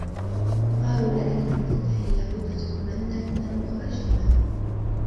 قالوا لَئِن لَم تَنتَهِ يا لوطُ لَتَكونَنَّ مِنَ المُخرَجينَ